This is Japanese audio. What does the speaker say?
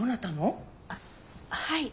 あっはい。